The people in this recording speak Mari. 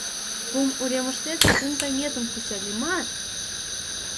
Кум уремыштет кум таҥетым кучальымат -